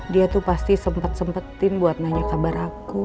dia tuh pasti sempet sempetin buat nanya kabar aku